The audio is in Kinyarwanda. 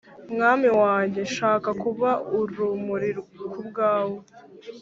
Mwami wanjye, nshaka kuba Urumuri kubwawe,